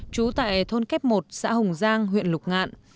trú tại thôn kép một xã hồng giang huyện lục ngạn